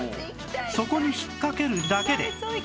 そこに引っかけるだけで